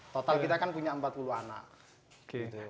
total kita kan punya empat puluh anak